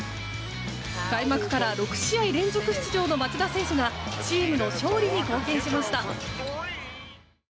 開幕から６試合連続出場の町田選手がチームの勝利に貢献しました。